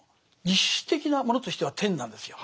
実質的なものとしては天なんですよ。